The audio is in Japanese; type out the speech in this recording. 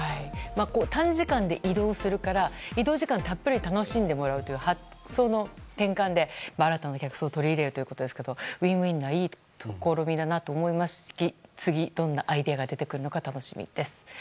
短時間で移動するから移動時間たっぷり楽しんでもらうという発想の転換で新たな客層を取り入れるということですがウィンウィンないい試みだなと思いますし雨。